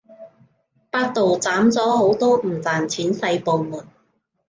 百度斬咗好多唔賺錢細部門